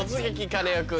カネオくん」。